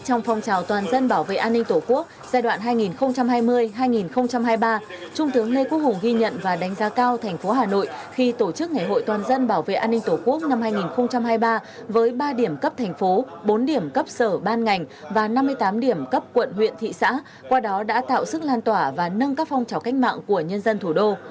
trong năm hai nghìn hai mươi hai nghìn hai mươi ba trung tướng lê quốc hùng ghi nhận và đánh giá cao thành phố hà nội khi tổ chức ngày hội toàn dân bảo vệ an ninh tổ quốc năm hai nghìn hai mươi ba với ba điểm cấp thành phố bốn điểm cấp sở ban ngành và năm mươi tám điểm cấp quận huyện thị xã qua đó đã tạo sức lan tỏa và nâng các phong trào cách mạng của nhân dân thủ đô